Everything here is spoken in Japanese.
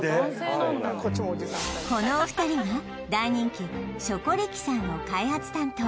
このお二人が大人気ショコリキサーの開発担当